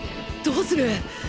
どうする？